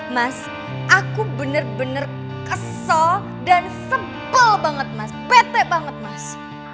mas aku bener bener kesel dan sepol banget mas pete banget mas